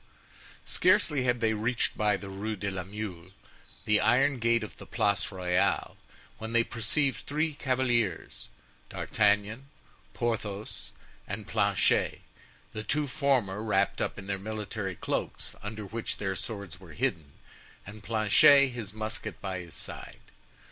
Scarcely had they reached by the Rue de la Mule the iron gate of the Place Royale, when they perceived three cavaliers, D'Artagnan, Porthos, and Planchet, the two former wrapped up in their military cloaks under which their swords were hidden, and Planchet, his musket by his side.